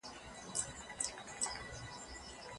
زه د ډاکټر زیار خبري تاییدوم.